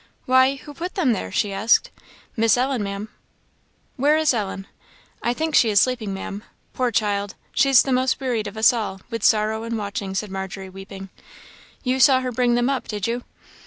"Why, who put them there?" she asked. "Miss Ellen, Ma'am." "Where is Ellen?" "I think she is sleeping, Ma'am. Poor child! she's the most wearied of us all, with sorrow and watching," said Margery, weeping. "You saw her bring them up, did you?"